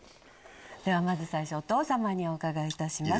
ではお父様にお伺いいたします。